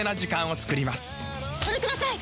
それください！